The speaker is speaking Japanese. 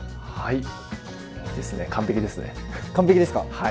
はい。